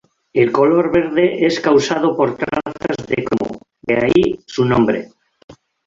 El color verde es causado por trazas de cromo, de ahí su nombre.